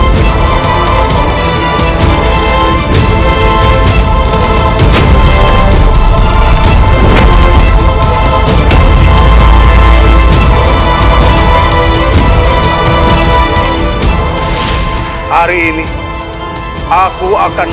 saya tidak bisa menanyatakan